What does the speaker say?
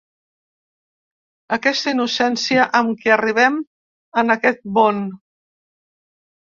Aquesta innocència amb què arribem en aquest món.